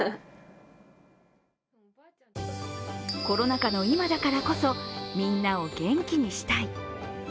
コロナ禍の今だからこそ、みんなを元気にしたい。